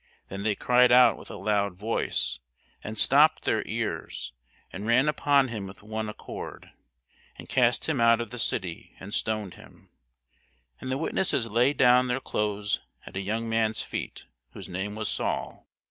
Then they cried out with a loud voice, and stopped their ears, and ran upon him with one accord, and cast him out of the city, and stoned him: and the witnesses laid down their clothes at a young man's feet, whose name was Saul.